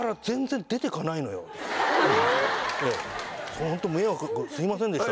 「ホント迷惑かけてすいませんでした」